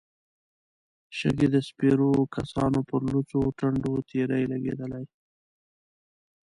شګې د سپرو کسانو پر لوڅو ټنډو تېرې لګېدې.